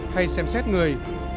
hay xem xét người